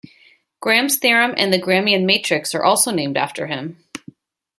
Gram's theorem and the Gramian matrix are also named after him.